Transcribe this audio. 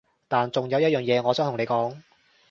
但仲有一樣嘢我想同你講